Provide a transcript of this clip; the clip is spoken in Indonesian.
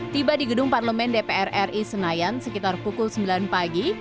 tiba di gedung parlemen dpr ri senayan sekitar pukul sembilan pagi